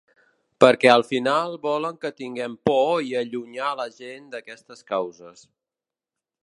Perquè al final volen que tinguem por i allunyar la gent d’aquestes causes.